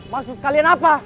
maksud kalian apa